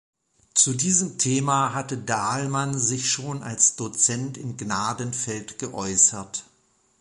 Zu diesem Thema hatte Dalman sich schon als Dozent in Gnadenfeld geäußert.